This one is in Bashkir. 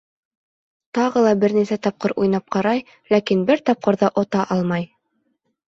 Тағы ла бер нисә тапҡыр уйнап ҡарай, ләкин бер тапҡыр ҙа ота алмай.